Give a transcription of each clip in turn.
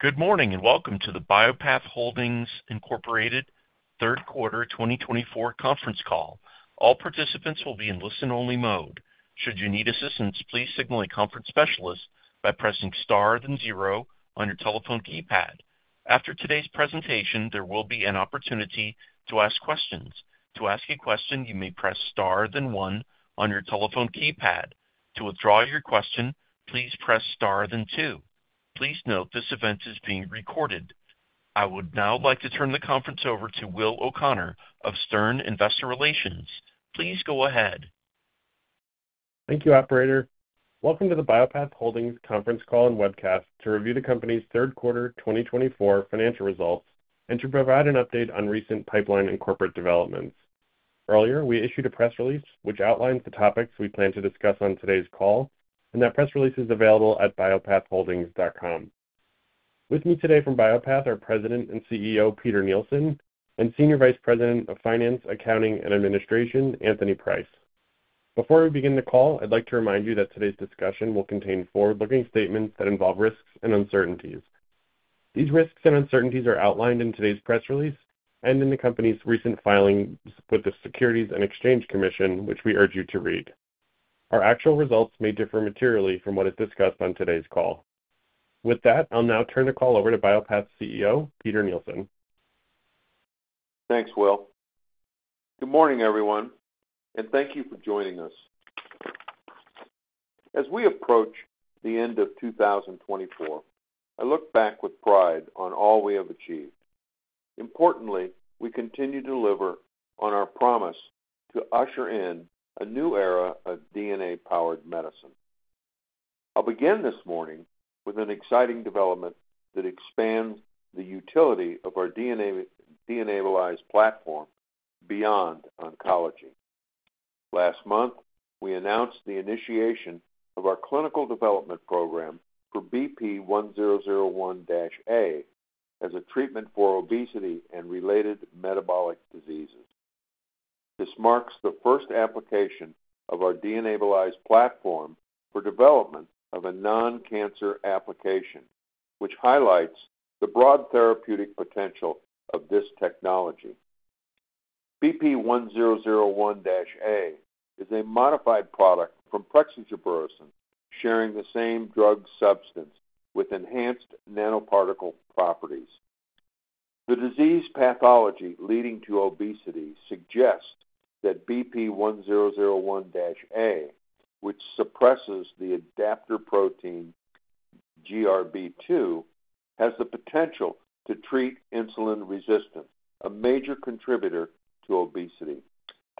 Good morning and welcome to the Bio-Path Holdings Incorporated Third Quarter 2024 Conference Call. All participants will be in listen-only mode. Should you need assistance, please signal a conference specialist by pressing star then zero on your telephone keypad. After today's presentation, there will be an opportunity to ask questions. To ask a question, you may press star then one on your telephone keypad. To withdraw your question, please press star then two. Please note this event is being recorded. I would now like to turn the conference over to Will O'Connor of Stern Investor Relations. Please go ahead. Thank you, operator. Welcome to the Bio-Path Holdings conference call and webcast to review the company's third quarter 2024 financial results and to provide an update on recent pipeline and corporate developments. Earlier, we issued a press release which outlines the topics we plan to discuss on today's call, and that press release is available at biopathholdings.com. With me today from Bio-Path are President and CEO Peter Nielsen and Senior Vice President of Finance, Accounting, and Administration, Anthony Price. Before we begin the call, I'd like to remind you that today's discussion will contain forward-looking statements that involve risks and uncertainties. These risks and uncertainties are outlined in today's press release and in the company's recent filings with the Securities and Exchange Commission, which we urge you to read. Our actual results may differ materially from what is discussed on today's call. With that, I'll now turn the call over to Bio-Path's CEO, Peter Nielsen. Thanks, Will. Good morning, everyone, and thank you for joining us. As we approach the end of 2024, I look back with pride on all we have achieved. Importantly, we continue to deliver on our promise to usher in a new era of DNA-powered medicine. I'll begin this morning with an exciting development that expands the utility of our DNAbilize platform beyond oncology. Last month, we announced the initiation of our clinical development program for BP1001-A as a treatment for obesity and related metabolic diseases. This marks the first application of our DNAbilize platform for development of a non-cancer application, which highlights the broad therapeutic potential of this technology. BP1001-A is a modified product from prexigebersen sharing the same drug substance with enhanced nanoparticle properties. The disease pathology leading to obesity suggests that BP1001-A, which suppresses the adaptor protein GRB2, has the potential to treat insulin resistance, a major contributor to obesity,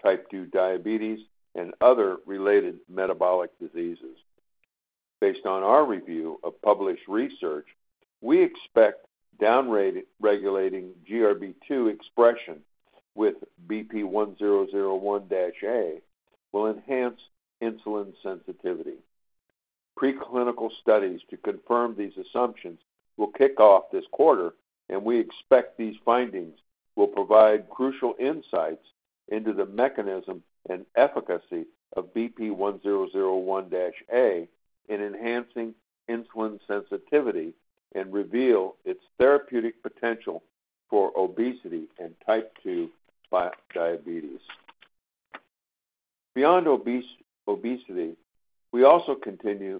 type 2 diabetes, and other related metabolic diseases. Based on our review of published research, we expect down-regulating GRB2 expression with BP1001-A will enhance insulin sensitivity. Pre-clinical studies to confirm these assumptions will kick off this quarter, and we expect these findings will provide crucial insights into the mechanism and efficacy of BP1001-A in enhancing insulin sensitivity and reveal its therapeutic potential for obesity and type 2 diabetes. Beyond obesity, we also continue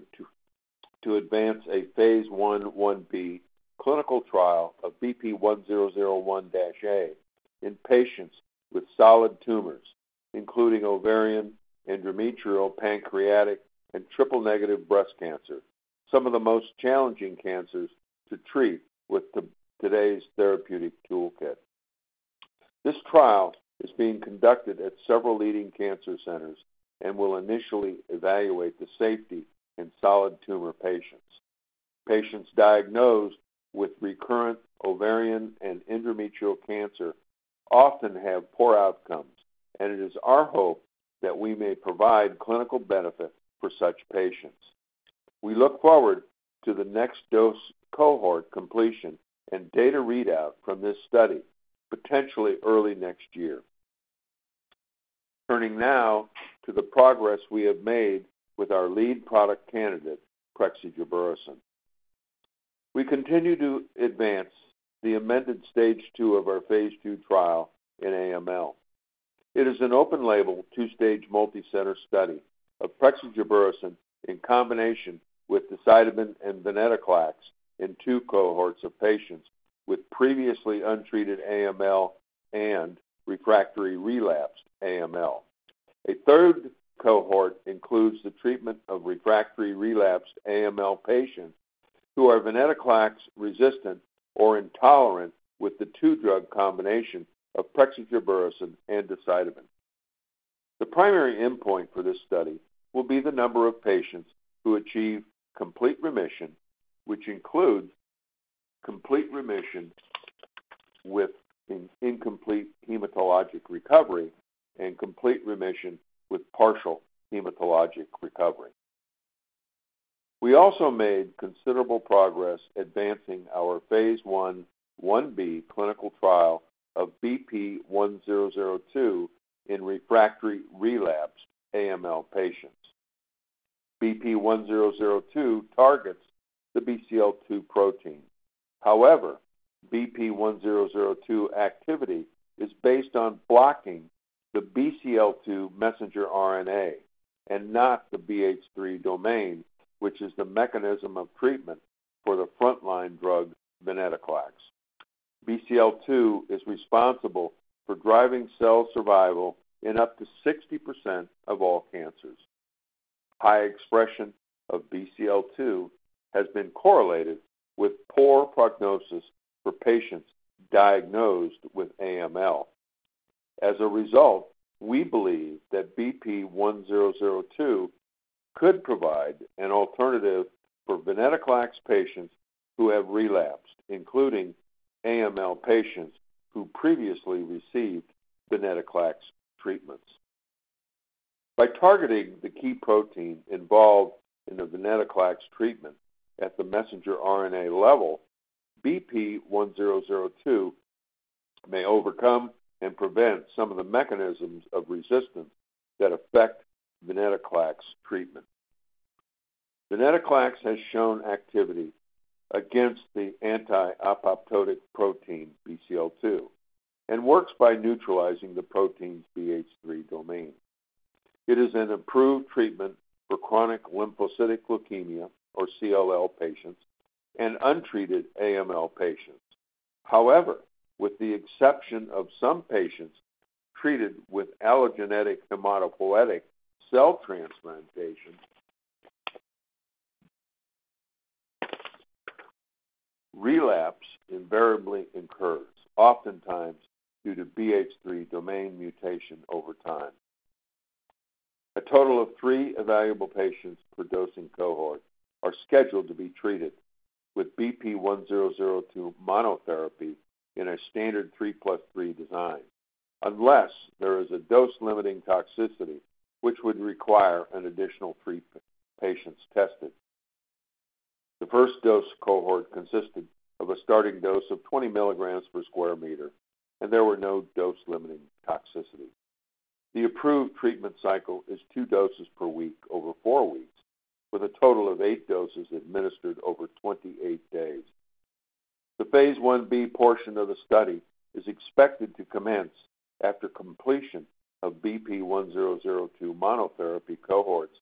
to advance a phase I-B clinical trial of BP1001-A in patients with solid tumors, including ovarian, endometrial, pancreatic, and triple-negative breast cancer, some of the most challenging cancers to treat with today's therapeutic toolkit. This trial is being conducted at several leading cancer centers and will initially evaluate the safety in solid tumor patients. Patients diagnosed with recurrent ovarian and endometrial cancer often have poor outcomes, and it is our hope that we may provide clinical benefit for such patients. We look forward to the next dose cohort completion and data readout from this study potentially early next year. Turning now to the progress we have made with our lead product candidate, prexigebersen. We continue to advance the amended stage two of our phase II trial in AML. It is an open-label two-stage multicenter study of prexigebersen in combination with decitabine and venetoclax in two cohorts of patients with previously untreated AML and refractory relapsed AML. A third cohort includes the treatment of refractory relapsed AML patients who are venetoclax resistant or intolerant with the two-drug combination of prexigebersen and decitabine. The primary endpoint for this study will be the number of patients who achieve complete remission, which includes complete remission with incomplete hematologic recovery and complete remission with partial hematologic recovery. We also made considerable progress advancing our phase I-B clinical trial of BP1002 in refractory relapsed AML patients. BP1002 targets the Bcl-2 protein. However, BP1002 activity is based on blocking the BCL2 messenger RNA and not the BH3 domain, which is the mechanism of treatment for the frontline drug venetoclax. BCL2 is responsible for driving cell survival in up to 60% of all cancers. High expression of BCL2 has been correlated with poor prognosis for patients diagnosed with AML. As a result, we believe that BP1002 could provide an alternative for venetoclax patients who have relapsed, including AML patients who previously received venetoclax treatments. By targeting the key protein involved in the venetoclax treatment at the messenger RNA level, BP1002 may overcome and prevent some of the mechanisms of resistance that affect venetoclax treatment. Venetoclax has shown activity against the anti-apoptotic protein Bcl-2 and works by neutralizing the protein's BH3 domain. It is an improved treatment for chronic lymphocytic leukemia or CLL patients and untreated AML patients. However, with the exception of some patients treated with allogeneic hematopoietic cell transplantation, relapse invariably occurs, oftentimes due to BH3 domain mutation over time. A total of three evaluable patients per dosing cohort are scheduled to be treated with BP1002 monotherapy in a standard 3 plus 3 design, unless there is a dose-limiting toxicity which would require an additional three patients tested. The first dose cohort consisted of a starting dose of 20 milligrams per square meter, and there were no dose-limiting toxicities. The approved treatment cycle is two doses per week over four weeks, with a total of eight doses administered over 28 days. The phase I-B portion of the study is expected to commence after completion of BP1002 monotherapy cohorts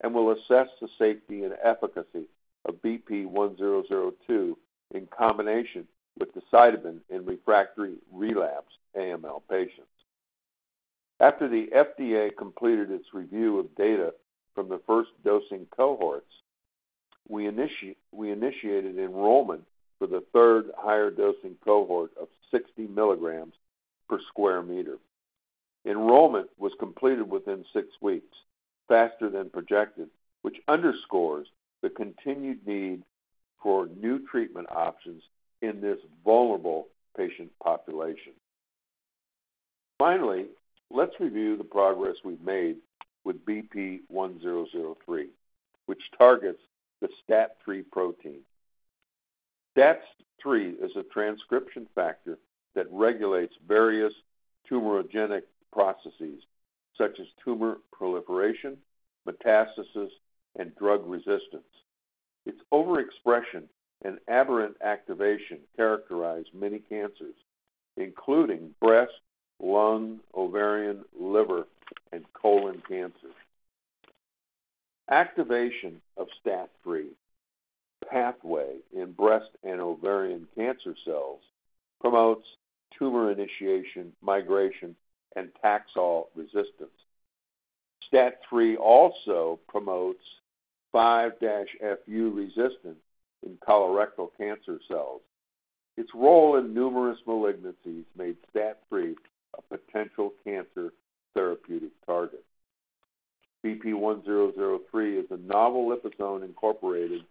and will assess the safety and efficacy of BP1002 in combination with decitabine in refractory relapsed AML patients. After the FDA completed its review of data from the first dosing cohorts, we initiated enrollment for the third higher dosing cohort of 60 milligrams per square meter. Enrollment was completed within six weeks, faster than projected, which underscores the continued need for new treatment options in this vulnerable patient population. Finally, let's review the progress we've made with BP1003, which targets the STAT3 protein. STAT3 is a transcription factor that regulates various tumorigenic processes such as tumor proliferation, metastasis, and drug resistance. Its overexpression and aberrant activation characterize many cancers, including breast, lung, ovarian, liver, and colon cancers. Activation of STAT3 pathway in breast and ovarian cancer cells promotes tumor initiation, migration, and Taxol resistance. STAT3 also promotes 5-FU resistance in colorectal cancer cells. Its role in numerous malignancies made STAT3 a potential cancer therapeutic target. BP1003 is a novel liposome-incorporated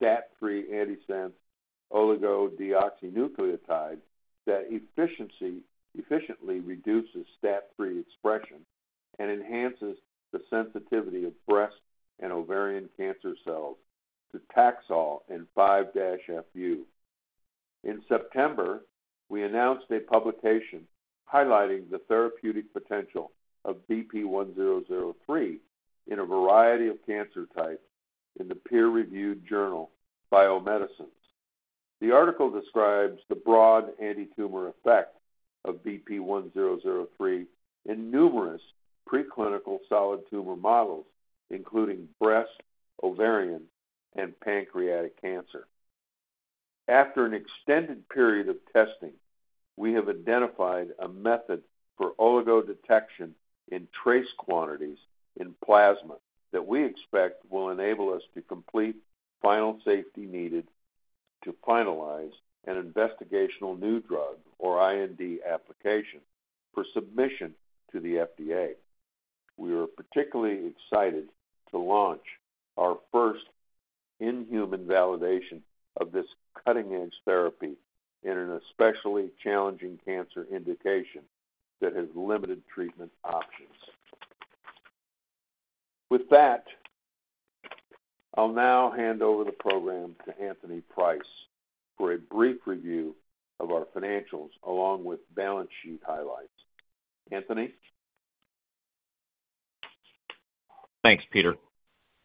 STAT3 antisense oligodeoxynucleotide that efficiently reduces STAT3 expression and enhances the sensitivity of breast and ovarian cancer cells to Taxol and 5-FU. In September, we announced a publication highlighting the therapeutic potential of BP1003 in a variety of cancer types in the peer-reviewed journal Biomedicines. The article describes the broad antitumor effect of BP1003 in numerous preclinical solid tumor models, including breast, ovarian, and pancreatic cancer. After an extended period of testing, we have identified a method for oligonucleotide detection in trace quantities in plasma that we expect will enable us to complete the final safety needed to finalize an Investigational New Drug or IND application for submission to the FDA. We are particularly excited to launch our first in-human validation of this cutting-edge therapy in an especially challenging cancer indication that has limited treatment options. With that, I'll now hand over the program to Anthony Price for a brief review of our financials along with balance sheet highlights. Anthony? Thanks, Peter.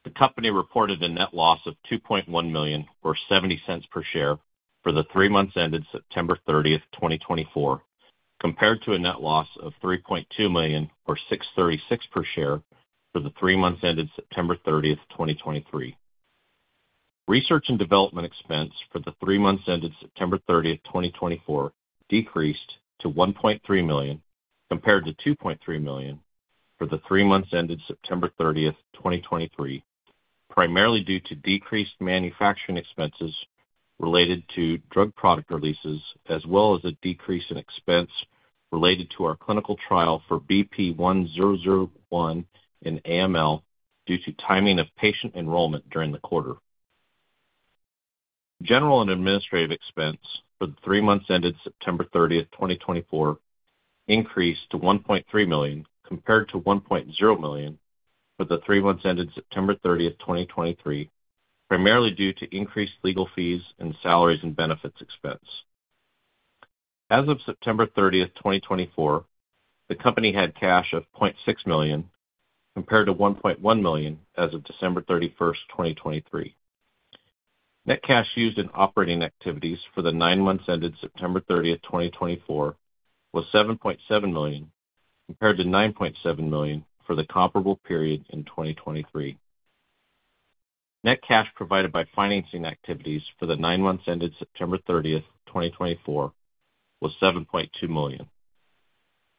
The company reported a net loss of $2.1 million or $0.70 per share for the three months ended September 30, 2024, compared to a net loss of $3.2 million or $0.636 per share for the three months ended September 30, 2023. Research and development expense for the three months ended September 30, 2024 decreased to $1.3 million compared to $2.3 million for the three months ended September 30, 2023, primarily due to decreased manufacturing expenses related to drug product releases, as well as a decrease in expense related to our clinical trial for BP1001 in AML due to timing of patient enrollment during the quarter. General and administrative expense for the three months ended September 30, 2024 increased to $1.3 million compared to $1.0 million for the three months ended September 30, 2023, primarily due to increased legal fees and salaries and benefits expense. As of September 30, 2024, the company had cash of $0.6 million compared to $1.1 million as of December 31, 2023. Net cash used in operating activities for the nine months ended September 30, 2024 was $7.7 million compared to $9.7 million for the comparable period in 2023. Net cash provided by financing activities for the nine months ended September 30, 2024 was $7.2 million.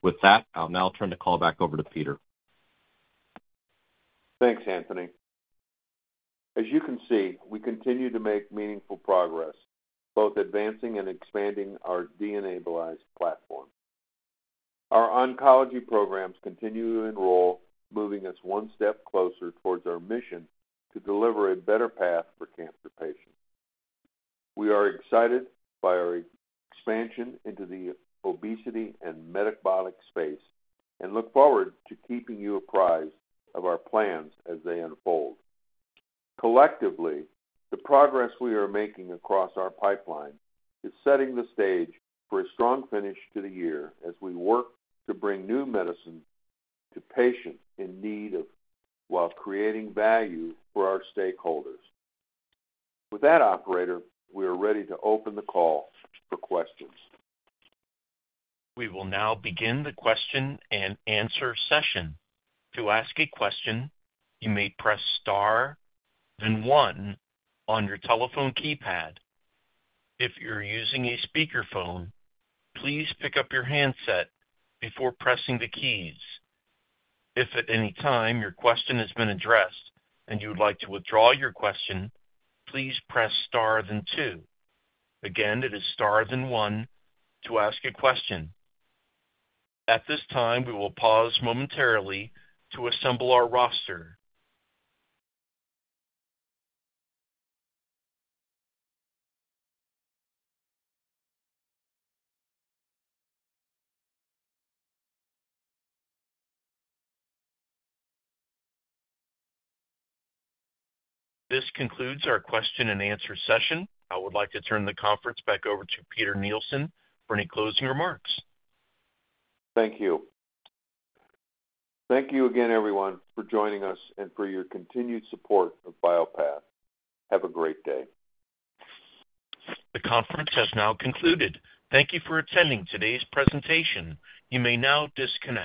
With that, I'll now turn the call back over to Peter. Thanks, Anthony. As you can see, we continue to make meaningful progress, both advancing and expanding our DNAbilize platform. Our oncology programs continue to enroll, moving us one step closer towards our mission to deliver a better path for cancer patients. We are excited by our expansion into the obesity and metabolic space and look forward to keeping you apprised of our plans as they unfold. Collectively, the progress we are making across our pipeline is setting the stage for a strong finish to the year as we work to bring new medicine to patients in need while creating value for our stakeholders. With that, Operator, we are ready to open the call for questions. We will now begin the question and answer session. To ask a question, you may press star then one on your telephone keypad. If you're using a speakerphone, please pick up your handset before pressing the keys. If at any time your question has been addressed and you would like to withdraw your question, please press star then two. Again, it is star then one to ask a question. At this time, we will pause momentarily to assemble our roster. This concludes our question and answer session. I would like to turn the conference back over to Peter Nielsen for any closing remarks. Thank you. Thank you again, everyone, for joining us and for your continued support of Bio-Path. Have a great day. The conference has now concluded. Thank you for attending today's presentation. You may now disconnect.